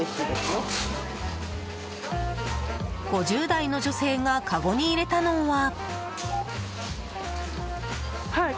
５０代の女性がかごに入れたのは。